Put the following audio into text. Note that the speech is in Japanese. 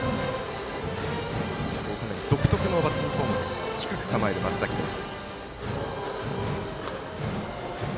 かなり独特のバッティングフォーム低く構える松崎です。